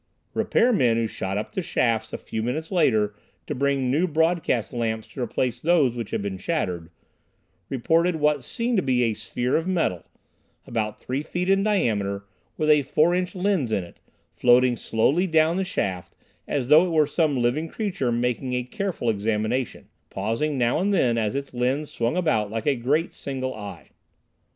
Repair men who shot up the shafts a few minutes later to bring new broadcast lamps to replace those which had been shattered, reported what seemed to be a sphere of metal, about three feet in diameter, with a four inch lens in it, floating slowly down the shaft, as though it were some living creature making a careful examination, pausing now and then as its lens swung about like a great single eye.